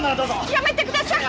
やめてください！